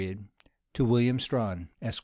D. TO WILLLIAM STRAHAN, ESQ.